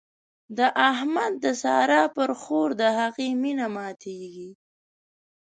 د احمد د سارا پر خور د هغې مينه ماتېږي.